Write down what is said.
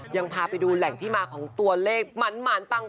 ยังพาไปดูแหล่งที่มาของตัวเลขหมานปัง